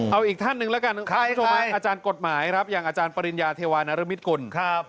เอาอีกท่านหนึ่งแล้วกันนะครับอาจารย์กฎหมายครับอย่างอาจารย์ปริญญาเทวานรมิตกุล